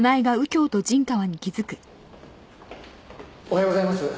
おはようございます。